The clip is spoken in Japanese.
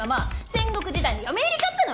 戦国時代の嫁入りかっての！